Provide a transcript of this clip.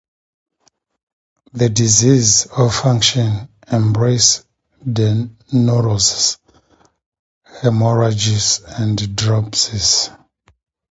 The diseases of function..embrace the neuroses, hemorrhages, and dropsies.